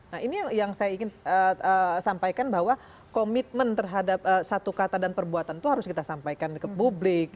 nah ini yang saya ingin sampaikan bahwa komitmen terhadap satu kata dan perbuatan itu harus kita sampaikan ke publik